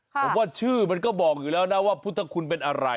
ผมว่าชื่อมันก็บอกอยู่แล้วนะว่าพุทธคุณเป็นอะไร